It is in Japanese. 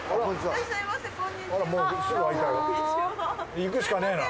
行くしかねえな。